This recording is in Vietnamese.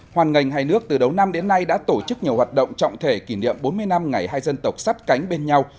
hoàn ngành hai nước từ đầu năm đến nay đã tổ chức nhiều hoạt động trọng thể kỷ niệm bốn mươi năm ngày hai dân tộc sắt cánh bên nhau